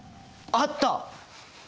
あった！